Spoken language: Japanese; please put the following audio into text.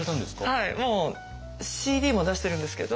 もうＣＤも出してるんですけど。